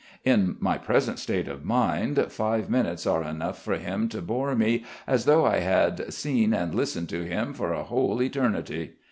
In my present state of mind five minutes are enough for him to bore me as though I had seen and listened to him for a whole eternity.